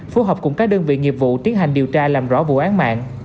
phối hợp cùng các đơn vị nghiệp vụ tiến hành điều tra làm rõ vụ án mạng